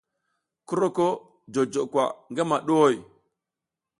Ki roko jojo ko gamaɗuʼhoy?